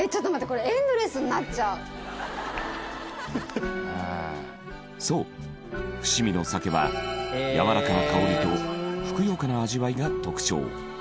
これそう伏見の酒はやわらかな香りとふくよかな味わいが特徴。